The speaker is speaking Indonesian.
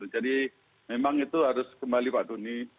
jadi memang itu harus kembali pak doni